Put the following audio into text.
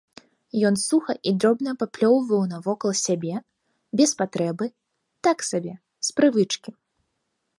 Ён суха і дробна паплёўваў навокал сябе, без патрэбы, так сабе, з прывычкі.